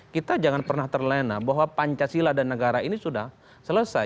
kita jangan pernah terlena bahwa pancasila dan negara ini sudah selesai